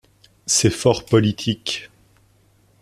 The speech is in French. C'est fort politique.